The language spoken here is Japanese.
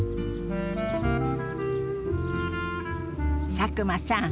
佐久間さん